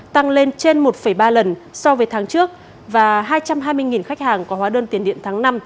tăng lên trên một ba lần so với tháng trước và hai trăm hai mươi khách hàng có hóa đơn tiền điện tháng năm